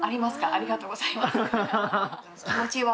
ありがとうございます。